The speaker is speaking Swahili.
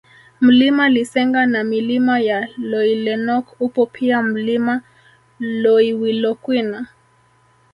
Mlima Lisenga na Milima ya Loilenok upo pia Mlima Loiwilokwin